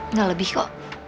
nggak lebih kok